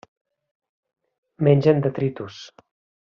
Mengen detritus.